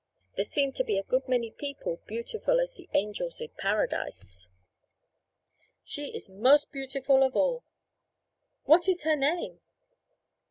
'There seem to be a good many people beautiful as the angels in Paradise.' 'She is most beautiful of all.' 'What is her name?'